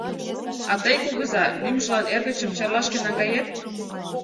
А тый, кугыза, лӱмжылан эргычым Чарлашке наҥгает.